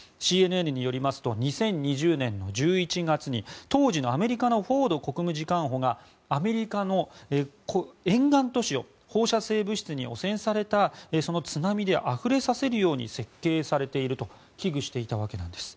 ＣＮＮによりますと２０２０年１１月に当時のアメリカのフォード国務次官補がアメリカの沿岸都市を放射性物質に汚染されたその津波であふれさせるように設計されていると危惧していたわけです。